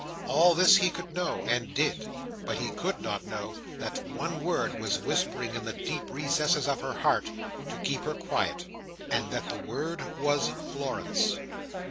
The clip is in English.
All this he could know, and did: but he could not know that one word was whispering in the deep recesses of her heart, to keep her quiet; and that the word was Florence.